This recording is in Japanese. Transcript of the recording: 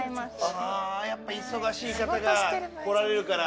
ああやっぱ忙しい方が来られるから。